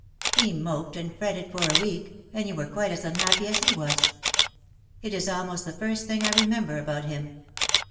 He moped and fretted for a week, and you were quite as unhappy as he was. It is almost the first thing I remember about him.